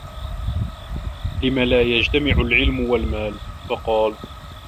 لِمَ لَا يَجْتَمِعُ الْعِلْمُ وَالْمَالُ ؟ فَقَالَ